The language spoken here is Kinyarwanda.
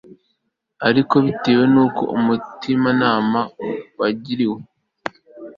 Ariko bitewe nuko umutimanama wagiriwe